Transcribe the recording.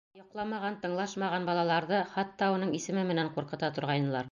Йоҡламаған, тыңлашмаған балаларҙы хатта уның исеме менән ҡурҡыта торғайнылар.